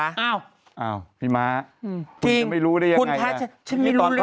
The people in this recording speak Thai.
อ้าวพี่ม้าคุณจะไม่รู้ได้ยังไงนะฉันไม่รู้เรื่อง